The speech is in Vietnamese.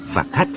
và khát khen